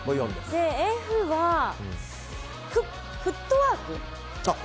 Ｆはフットワーク？